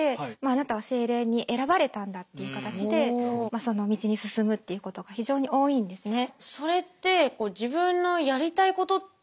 「あなたは精霊に選ばれたんだ」っていう形でその道に進むっていうことが非常に多いんですね。